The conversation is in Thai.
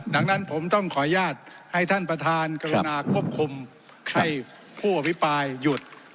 ดังนั้นผมต้องขออนุญาตให้ท่านประธานกรุณาควบคุมให้ผู้อภิปรายหยุด